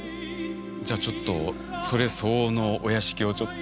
じゃあちょっとそれ相応のお屋敷をちょっと。